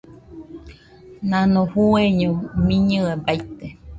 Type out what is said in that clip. Nano fueño miñɨe baite.